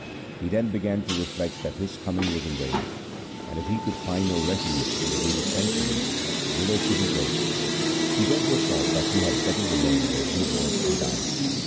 He then began to reflect that his coming was in vain, and if he could find no refuge in the Guru's sanctuary, whither should he go ? He therefore thought that he had better remain where he was and die.